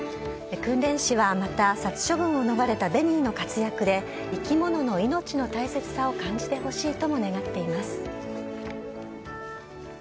訓練士はまた、殺処分を逃れたベニーの活躍で、生き物の命を大切さを感じてほしいとも願っています。